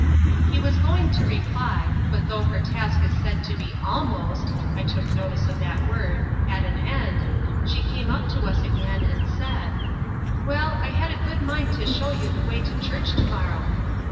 He was going to reply, but though her task is said to be ALMOST (I took notice of that word) at an end, she came up to us again, and said; Well, I had a good mind to show you the way to church to morrow.